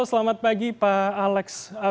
selamat pagi pak alex